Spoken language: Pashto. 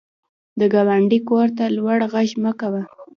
د ګاونډي کور ته لوړ غږ مه کوه